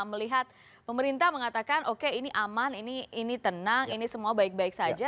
melihat pemerintah mengatakan oke ini aman ini tenang ini semua baik baik saja